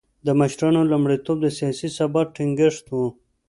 د مشرانو لومړیتوب د سیاسي ثبات ټینګښت و.